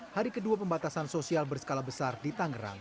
hari kedua pembatasan sosial berskala besar di tangerang